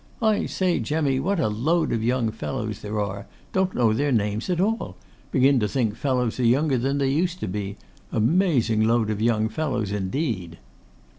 'I say, Jemmy, what a load of young fellows there are! Don't know their names at all. Begin to think fellows are younger than they used to be. Amazing load of young fellows, indeed!